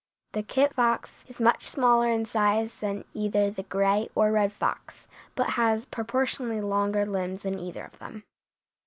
The kit fox is much smaller in size than either the gray or red fox, but has proportionately longer limbs than either of them.